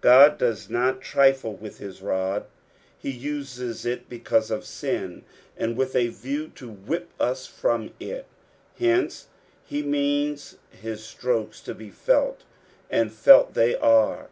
God does not trifle with his rod ; he uses it because of ein, and with a view to whip us from it ; hence be means his strokes to be felt, and felt they are.